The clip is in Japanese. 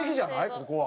ここは。